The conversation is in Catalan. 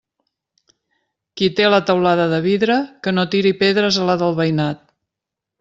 Qui té la teulada de vidre, que no tire pedres a la del veïnat.